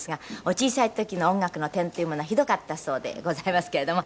小さい時の音楽の点というものはひどかったそうでございますけれども。